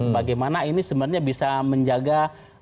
bagaimana ini sebenarnya bisa menjaga